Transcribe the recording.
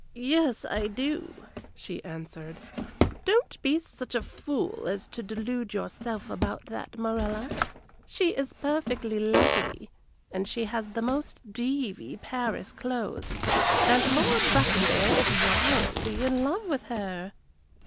"Yes, I do," she answered. "Don't be such a fool as to delude yourself about that, Morella. She is perfectly lovely, and she has the most deevie Paris clothes, and Lord Bracondale is wildly in love with her."